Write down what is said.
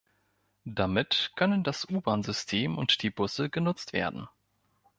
Damit können das U-Bahnsystem und die Busse genutzt werden.